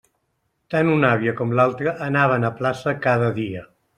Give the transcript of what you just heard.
Tant una àvia com l'altra anaven a plaça cada dia.